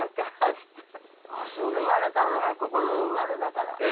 生まれたのがここの生まれだから。